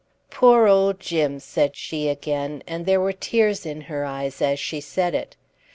"Poor old Jim!" said she again, and there were tears in her eyes as she said it.